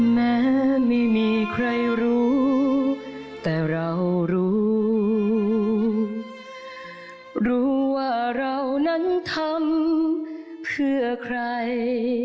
แม้ไม่มีใครรู้แต่เรารู้รู้ว่าเรานั้นทำเพื่อใคร